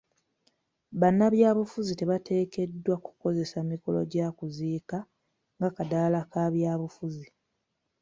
Bannabyabufuzi tebateekeddwa kukozesa mikolo gya kuziika nga kaddaala ka bya bufuzi.